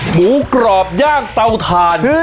หมูกรอบยากเต้าทาน